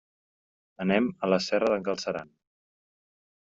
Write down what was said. Anem a la Serra d'en Galceran.